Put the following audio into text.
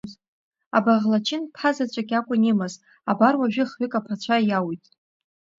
Абаӷлачын ԥа заҵәык иакәын имаз, абар уажәы хҩык аԥацәа иауит.